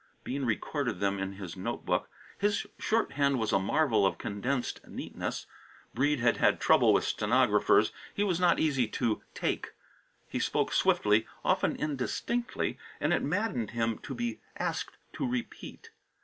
Bean recorded them in his note book. His shorthand was a marvel of condensed neatness. Breede had had trouble with stenographers; he was not easy to "take." He spoke swiftly, often indistinctly, and it maddened him to be asked to repeat.